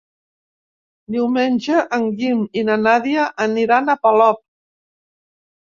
Diumenge en Guim i na Nàdia aniran a Polop.